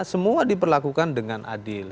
semua diperlakukan dengan adil